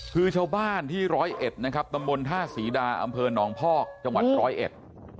คือชาวบ้านที่ร้อยเอ็ดนะครับตำบลท่าศรีดาอำเภอหนองพอกจังหวัดร้อยเอ็ด